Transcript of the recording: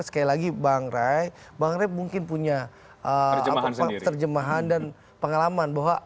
sekali lagi bang ray bang ray mungkin punya terjemahan dan pengalaman bahwa